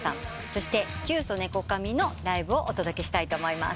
そしてキュウソネコカミのライブをお届けしたいと思います。